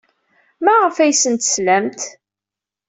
Maɣef ay asen-teslamt?